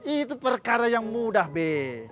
itu perkara yang mudah b